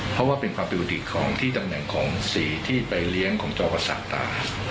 เพราะว่าเป็นความผิดปกติของที่ตำแหน่งของสีที่ไปเลี้ยงของจอประสาทตา